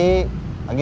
aku mau pergi